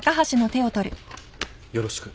よろしく。